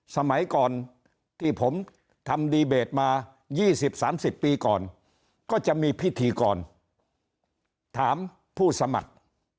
สมัยก่อนที่ผมทำดีเบตมา๒๐๓๐ปีก่อนก็จะมีพิธีกรถามผู้สมัคร